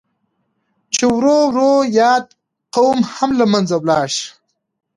چې ورو ورو ياد قوم هم لمنځه ولاړ شي.